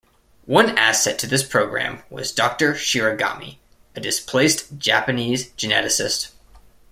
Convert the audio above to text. One asset to this program was Doctor Shiragami, a displaced Japanese geneticist.